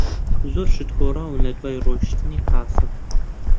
زۆر شت گۆڕاون لەدوای ڕۆیشتنی قاسم.